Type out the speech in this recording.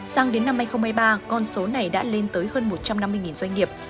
sang đến năm hai nghìn hai mươi ba con số này đã lên tới hơn một trăm năm mươi doanh nghiệp